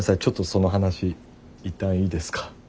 ちょっとその話いったんいいですか？